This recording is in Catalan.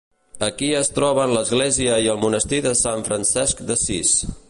Aquí es troben l'església i el monestir de Sant Francesc d'Assís.